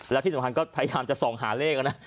แล้วที่สำคัญก็พยายามจะส่องหาเลขนะ